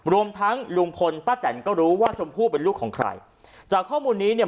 รวมทั้งลุงพลป้าแตนก็รู้ว่าชมพู่เป็นลูกของใครจากข้อมูลนี้เนี่ย